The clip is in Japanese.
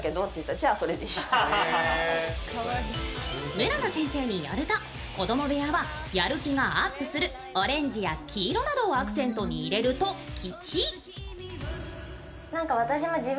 村野先生によると、子供部屋はやる気がアップするオレンジや黄色をアクセントに入れると吉。